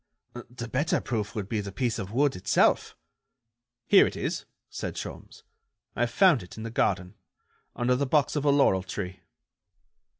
"The better proof would be the piece of wood itself." "Here it is," said Sholmes, "I found it in the garden, under the box of a laurel tree."